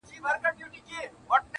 زما د آشنا غرونو کيسې کولې!!